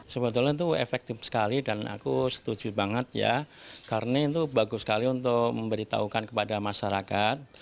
sebetulnya itu efektif sekali dan aku setuju banget ya karena itu bagus sekali untuk memberitahukan kepada masyarakat